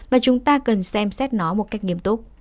và chúng ta cần xem xét nó một cách nghiêm túc